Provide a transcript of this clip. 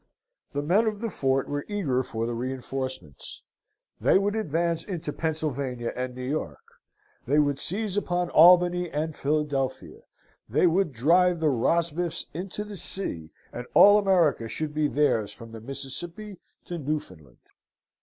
The men of the fort were eager for the reinforcements; they would advance into Pennsylvania and New York; they would seize upon Albany and Philadelphia; they would drive the Rosbifs into the sea, and all America should be theirs from the Mississippi to Newfoundland.